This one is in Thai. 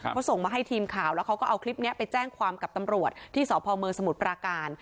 เขาส่งมาให้ทีมข่าวแล้วเขาก็เอาคลิปนี้ไปแจ้งความกับตำรวจที่สพเมืองสมุทรปราการ